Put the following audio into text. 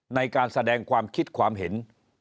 ในการแสดงความคิดความเห็น